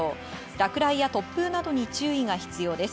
落雷や突風などに注意が必要です。